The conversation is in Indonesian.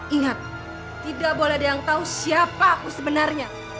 ingat tidak boleh ada yang tahu siapa aku sebenarnya